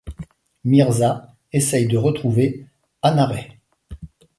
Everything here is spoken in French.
Mirza essaye de retrouver Hanareh.